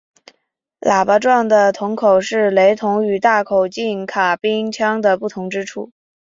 喇叭状的铳口是雷筒与大口径卡宾枪的不同之处。